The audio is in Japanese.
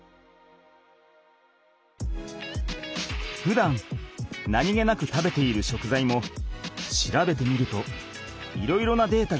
ふだん何気なく食べている食材も調べてみるといろいろなデータが発見できる。